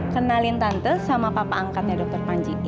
kenalin tante sama papa angkatnya dokter panji ya